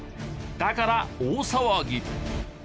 だから大騒ぎ。